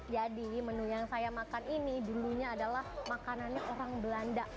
jadi menu yang saya makan ini dulunya adalah makanannya orang belanda